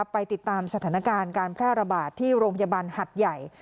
ไปติดตามสถานการณ์การแพร่ระบาดที่โรงพยาบาลหัดใหญ่